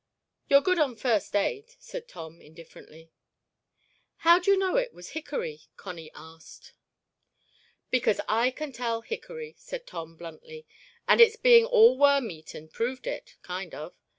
"You're good on first aid," said Tom, indifferently. "How'd you know it was hickory?" Connie asked. "Because I can tell hickory," said Tom, bluntly, "and it's being all worm eaten proved it—kind of.